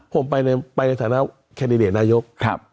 ผมไปในฐานะแคนดิเดตนายก